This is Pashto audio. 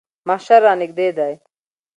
محشر رانږدې دی.